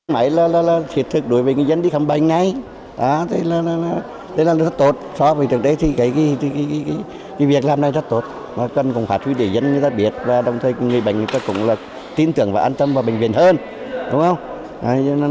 máy là thiệt thực đối với người dân đi khám bệnh này thế là rất tốt so với thực tế thì cái việc làm này rất tốt nó cần phát huy để dân người ta biết và đồng thời người bệnh người ta cũng tin tưởng và an tâm vào bệnh viện hơn đúng không